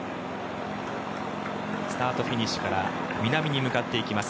スタートフィニッシュから南に向かっていきます。